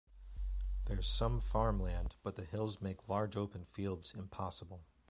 There is some farmland, but the hills make large open fields impossible.